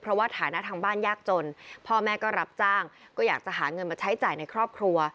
เพราะว่าฐานะทางบ้านยากจนพ่อแม่ก็รับจ้างก็อยากจะหาเงินมาใช้จ่ายในครอบครัว